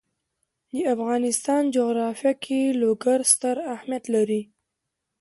د افغانستان جغرافیه کې لوگر ستر اهمیت لري.